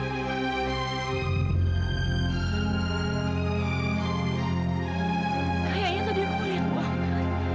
kayaknya tadi aku melihatmu